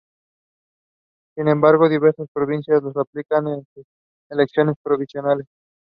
He was promoted to producer of the radio education service.